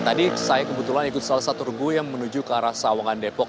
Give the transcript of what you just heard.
tadi saya kebetulan ikut salah satu regu yang menuju ke arah sawangan depok